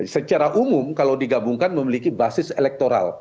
secara umum kalau digabungkan memiliki basis elektoral